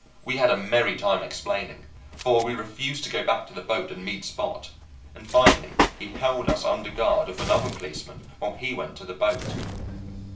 We had a merry time explaining, for we refused to go back to the boat and meet Spot; and finally he held us under guard of another policeman while he went to the boat.